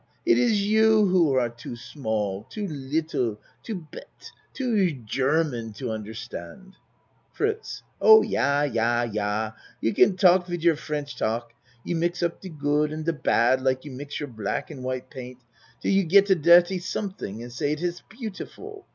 It is you who are too small too little too bete too German to understand. FRITZ Oh, yah! yah, yah. You can talk wid your French talk. You mix up de good and de bad like you mix your black and white paint till you get a dirty something and say it iss beautiful.